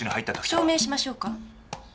証明しましょうか？